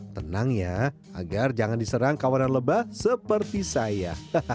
tenang ya agar jangan diserang kawanan lebah seperti saya